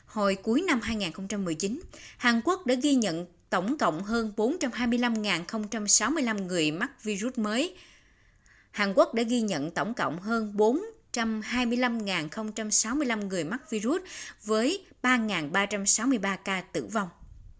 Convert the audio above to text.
tại cuối năm hai nghìn một mươi chín hàn quốc đã ghi nhận tổng cộng hơn bốn trăm hai mươi năm sáu mươi năm người mắc virus mới với ba ba trăm sáu mươi ba ca tử vong